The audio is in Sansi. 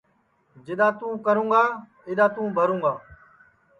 جِدؔا تُوں کرُوں گا اِدؔا تُوں بھرُوں گا